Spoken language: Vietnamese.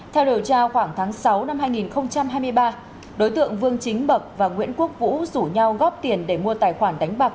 theo điều tra khoảng tháng sáu năm hai nghìn hai mươi ba đối tượng vương chính bậc và nguyễn quốc vũ rủ nhau góp tiền để mua tài khoản đánh bạc